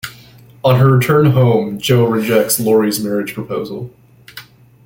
On her return home, Jo rejects Laurie's marriage proposal.